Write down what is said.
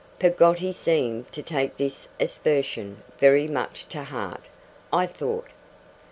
Peggotty seemed to take this aspersion very much to heart, I thought.